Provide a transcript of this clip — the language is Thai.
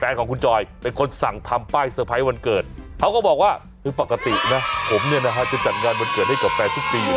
ของคุณจอยเป็นคนสั่งทำป้ายเตอร์ไพรส์วันเกิดเขาก็บอกว่าคือปกตินะผมเนี่ยนะฮะจะจัดงานวันเกิดให้กับแฟนทุกปี